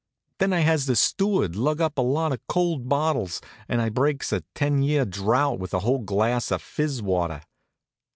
Then I has the steward lug up a lot of cold bottles and I breaks a ten year drouth with a whole glass of fizz water.